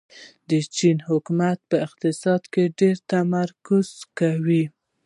د چین حکومت په اقتصاد ډېر تمرکز کوي.